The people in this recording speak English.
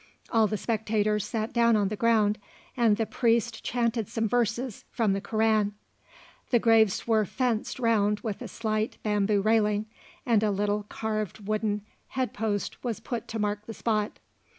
All the spectators sat down on the ground, and the priest chanted some verses from the Koran. The graves were fenced round with a slight bamboo railing, and a little carved wooden head post was put to mark the spot.